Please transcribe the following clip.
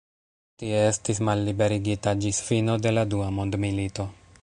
Tie estis malliberigita ĝis fino de la dua mondmilito.